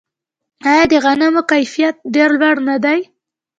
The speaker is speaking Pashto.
آیا د غنمو کیفیت ډیر لوړ نه دی؟